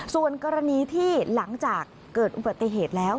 ส่วนกรณีที่หลังจากเกิดอุบัติเหตุแล้ว